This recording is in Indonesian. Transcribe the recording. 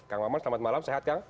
kang maman selamat malam sehat kang